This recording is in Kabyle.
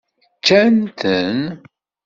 Ččan-ten?